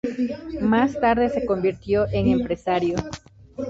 Más tarde se convirtió en empresario.